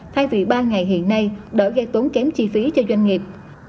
thay vì ba ngày hiện nay đã gây tốn kém chi phí cho doanh nghiệp